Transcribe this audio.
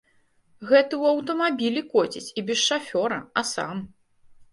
Гэты ў аўтамабілі коціць і без шафёра, а сам.